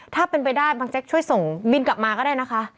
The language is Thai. ถ้าเป็นไปได้บางแจ๊กช่วยส่งบินกลับมาก็ได้นะคะ